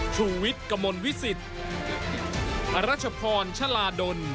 ชูเว็ตตีแสงหน้า